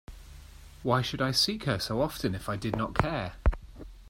Why should I seek her so often if I did not care?